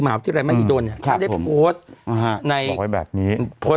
มหาวิทยาลัยมหิดลถ้าได้ไปโพสต์โพสต์ด้วยขนาดนี้